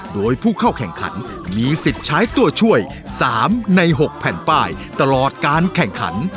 โดยผู้เข้าแข่งขันมีสิทธิ์ใช้ตัวช่วย๓ใน๖แผ่นป้ายตลอดการแข่งขัน